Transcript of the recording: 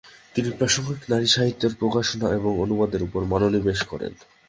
তিনি প্রাসঙ্গিক নারী সাহিত্যের প্রকাশনা এবং অনুবাদের উপর মনোনিবেশ করেন।